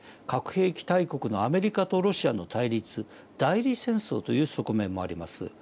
核兵器大国のアメリカとロシアの対立代理戦争という側面もあります。